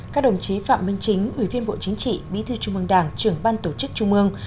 các đồng chí phạm minh chính ủy viên bộ chính trị bí thư trung mương đảng trưởng ban tổ chức trung ương